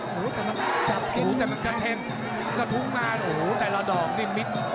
กระทุงมากโอ้โหแต่ละดอกนี่มิด